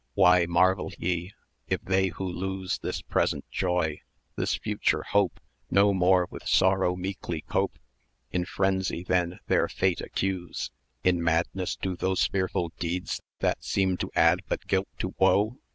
Why marvel ye, if they who lose This present joy, this future hope, 1150 No more with Sorrow meekly cope; In phrensy then their fate accuse; In madness do those fearful deeds That seem to add but Guilt to Woe?